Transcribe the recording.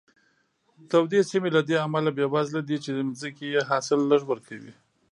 تودې سیمې له دې امله بېوزله دي چې ځمکې یې حاصل لږ ورکوي.